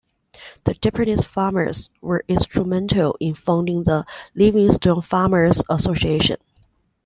The Japanese farmers were instrumental in founding the Livingston Farmers Association.